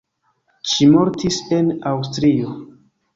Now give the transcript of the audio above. Ŝi mortis en Aŭstrio.